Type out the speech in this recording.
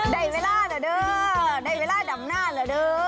ได้เวลาเหรอเด้อได้เวลาดำหน้าเหรอเด้อ